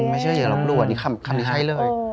ไม่เชื่ออย่าลบหลู่นี่คำนี้ใช้เลย